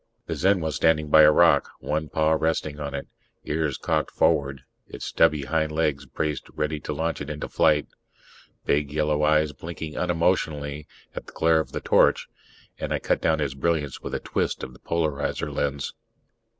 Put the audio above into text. The Zen was standing by a rock, one paw resting on it, ears cocked forward, its stubby hind legs braced ready to launch it into flight. Big yellow eyes blinked unemotionally at the glare of the torch, and I cut down its brilliance with a twist of the polarizer lens.